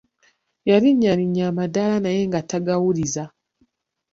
Yalinnyalinya amadaala naye nga tagawuliza.